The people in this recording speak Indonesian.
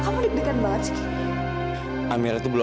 gue gak akan keluar